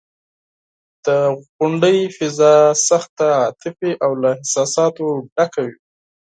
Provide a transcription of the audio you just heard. د غونډې فضا سخته عاطفي او له احساساتو ډکه وه.